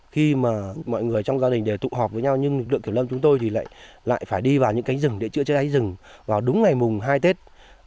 khi mà mọi người trong gia đình tụ họp với nhau nhưng lực lượng kiểm lâm chúng tôi thì lại phải đi vào những cánh rừng để chữa cháy rừng vào đúng ngày mùng hai tết